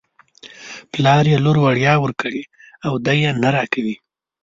پلار یې لور وړيا ورکړې او دی یې نه راکوي.